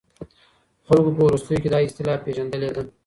خلګو په وروستيو کې دا اصطلاح پېژندلې ده.